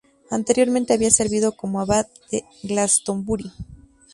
Anteriormente había servido como abad de Glastonbury.